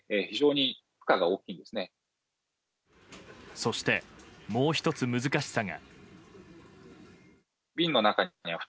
そして、もう１つ難しさが。